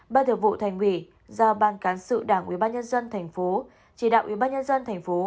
ban thượng vụ thành quỷ do ban cán sự đảng ubnd tp chỉ đạo ubnd tp